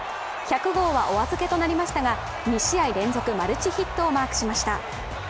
１００号はお預けとなりましたが２試合連続マルチヒットをマークしました。